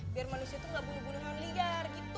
biar manusia itu gak bunuh bunuh hewan liar gitu